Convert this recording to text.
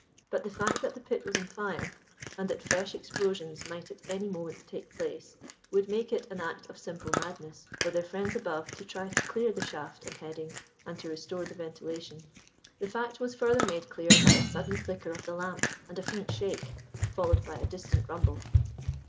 But the fact that the pit was on fire, and that fresh explosions might at any moment take place, would make it an act of simple madness for their friends above to try to clear the shaft and headings, and to restore the ventilation. The fact was further made clear by a sudden flicker of the lamps, and a faint shake, followed by a distant rumble.